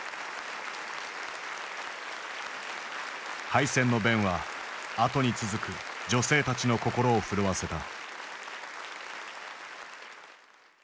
敗戦の弁は後に続く女性たちの心を震わせた。